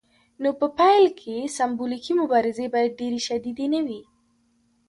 نو په پیل کې سمبولیکې مبارزې باید ډیرې شدیدې نه وي.